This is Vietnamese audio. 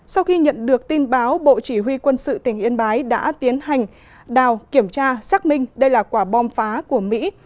sau khi nhận được tin báo bộ chỉ huy quân sự tỉnh yên bái đã tiến hành đào kiểm tra xác minh đây là quả bom phá của mỹ